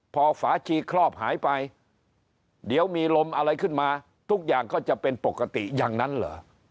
พอฝาชีครอบหายไปเดี๋ยวมีลมอะไรขึ้นมาทุกอย่างก็จะเป็นปกติอย่างนั้นเหรอ